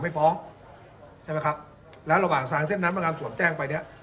ไม่ฟ้องใช่ไหมครับแล้วระหว่างทางเส้นนั้นพนักงานสวนแจ้งไปเนี้ย